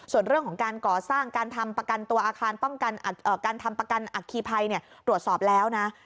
ส่วนเรื่องของการก่อสร้างการทำประกันตัวอาคารป้องกันการทำประกันอัคคีภัยตรวจสอบแล้วนะ